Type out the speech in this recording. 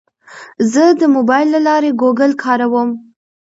زه د موبایل له لارې ګوګل کاروم.